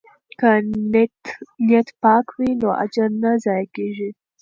که نیت پاک وي نو اجر نه ضایع کیږي.